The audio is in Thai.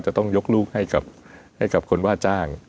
จะต้องยกลูกให้กับคนว่าจ้าง